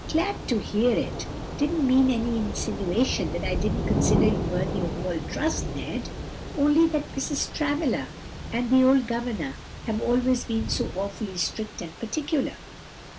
"Glad to hear it! didn't mean any insinuation that I didn't consider you worthy of all trust, Ned; only that Mrs. Travilla and the old governor have always been so awfully strict and particular."